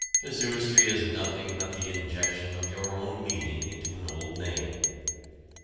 Casuistry is nothing but the injection of your own meaning into an old name.